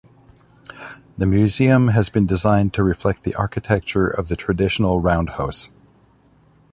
The museum has been designed to reflect the architecture of the traditional roundhouse.